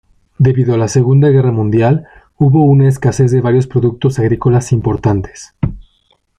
Debido a la Segunda Guerra Mundial, hubo una escasez de varios productos agrícolas importantes.